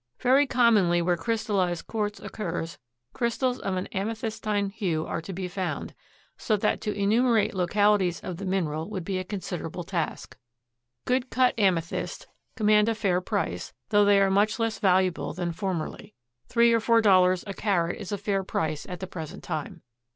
Very commonly where crystallized quartz occurs, crystals of an amethystine hue are to be found, so that to enumerate localities of the mineral would be a considerable task. Good cut amethysts command a fair price, though they are much less valuable than formerly. Three or four dollars a carat is a fair price at the present time.